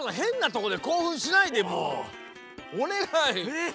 えっ？